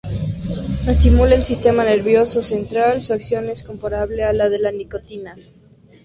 Estimula el sistema nervioso central, su acción es comparable a la de la nicotina.